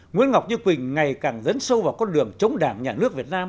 nguyễn ngọc như quỳnh ngày càng dấn sâu vào con đường chống đảng nhà nước việt nam